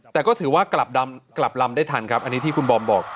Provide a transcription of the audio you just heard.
แต่ก็ถือว่ากลับลำได้ทันครับอันนี้ที่คุณบอมบอก